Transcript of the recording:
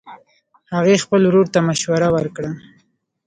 هغې خپل ورور ته مشوره ورکړه